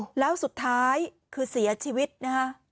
แล้วสุดท้ายคือเสียชีวิตนะคะ